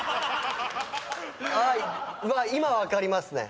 今分かりますね。